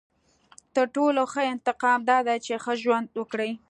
• تر ټولو ښه انتقام دا دی چې ښه ژوند وکړې.